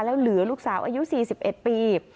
แล้วเหลือลูกสาวอายุ๔๑ปี